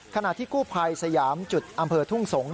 ขณะที่กู้ภัยสยามจุดอำเภอทุ่งสงศ